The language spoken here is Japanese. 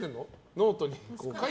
ノートに。